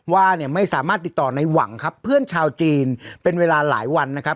ว่าเนี่ยไม่สามารถติดต่อในหวังครับเพื่อนชาวจีนเป็นเวลาหลายวันนะครับ